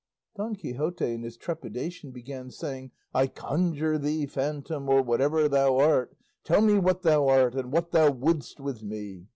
Don Quixote in his trepidation began saying, "I conjure thee, phantom, or whatever thou art, tell me what thou art and what thou wouldst with me.